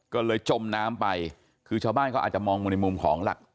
ก็เลยจมน้ำไปคือชาวบ้านก็อาจจะมองในมุมของ